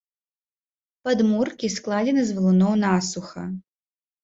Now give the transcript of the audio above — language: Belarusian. Падмуркі складзены з валуноў насуха.